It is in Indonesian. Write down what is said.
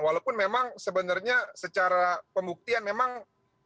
walaupun memang sebenarnya secara pembuktian memang tidak ada cctv